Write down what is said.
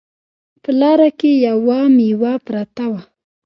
په لاره کې یوه میوه پرته وه